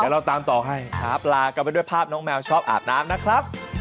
เดี๋ยวเราตามต่อให้ครับลากันด้วยภาพน้องแมวชอบอาบน้ำนะครับ